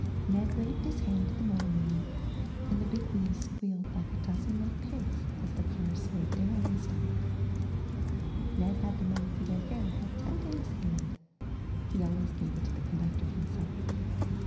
Ned waved his hand to the motorman and the big wheels squealed like a dozen little pigs as the car slowed down and stopped. Ned had the money for their fare held tight in his hand — he always gave it to the conductor himself.